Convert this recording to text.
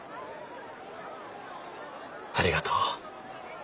ありがとう。